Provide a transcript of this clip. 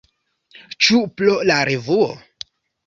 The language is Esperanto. Ĉu pro la revuo?